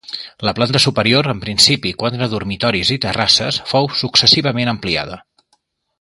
La planta superior, en principi quatre dormitoris i terrasses, fou successivament ampliada.